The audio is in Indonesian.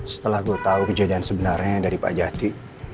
setelah gue tahu kejadian sebenarnya dari pak jati